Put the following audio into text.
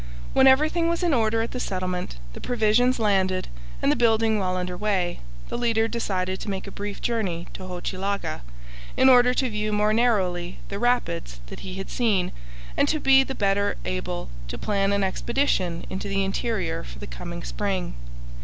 When everything was in order at the settlement, the provisions landed, and the building well under way, the leader decided to make a brief journey to Hochelaga, in order to view more narrowly the rapids that he had seen, and to be the better able to plan an expedition into the interior for the coming spring.